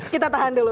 kita tahan dulu